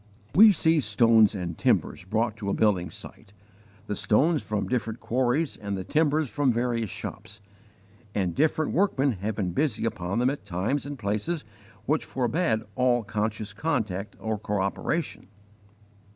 We see stones and timbers brought to a building site the stones from different quarries and the timbers from various shops and different workmen have been busy upon them at times and places which forbade all conscious contact or cooperation.